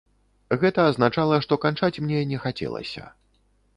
Гэта азначала, што канчаць мне не хацелася.